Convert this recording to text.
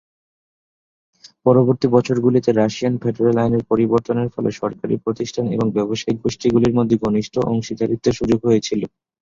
পরবর্তী বছরগুলিতে, Russian federal আইনের পরিবর্তনের ফলে সরকারি শিক্ষাপ্রতিষ্ঠান এবং ব্যবসায়িক গোষ্ঠীগুলির মধ্যে ঘনিষ্ঠ অংশীদারিত্বের সুযোগ হয়েছিল।